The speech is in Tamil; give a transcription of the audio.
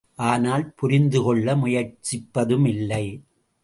ஆனால், புரிந்துகொள்ள முயற்சிப்பதுமில்லை.